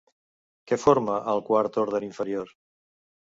Què forma el quart ordre inferior?